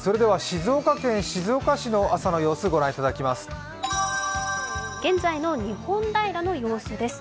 静岡県静岡市の朝の様子、御覧いただきます。